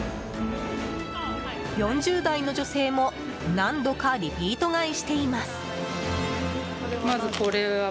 ４０代の女性も何度かリピート買いしています。